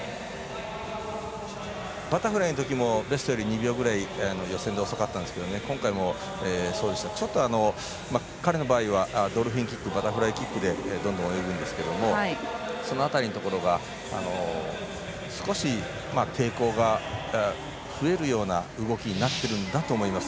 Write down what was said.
バタフライのときもベストより２秒くらい予選で遅かったんですけど今回もちょっと彼の場合はドルフィンキックバタフライキックでどんどん泳ぐんですけどもその辺りのところが少し抵抗が増えるような動きになってるんだと思います。